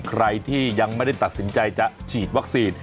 ใครที่ยังไม่ได้ตัดสินใจจะฉีดวัคซีน